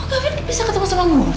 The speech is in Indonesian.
gavir bisa ketemu sama amu murid